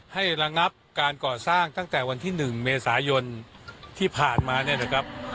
ระงับการก่อสร้างตั้งแต่วันที่๑เมษายนที่ผ่านมาเนี่ยนะครับ